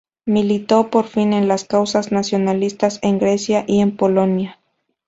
Militó por fin en las causas nacionalistas en Grecia y en Polonia.